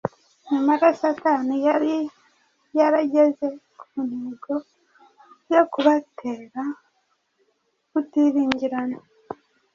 nyamara Satani yari yarageze ku ntego yo kubatera kutiringirana.